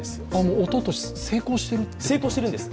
おととし、成功しているんですね